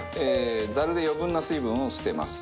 ザルで余分な水分を捨てます。